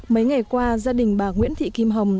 mấy ngày qua gia đình bà nguyễn thị kim hồng